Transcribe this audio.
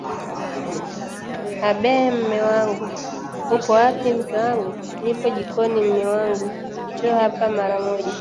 abeee mme wangu, upo wapi mke wangu, nipo jikoni mme wangu, njoo hapa mara moja!!!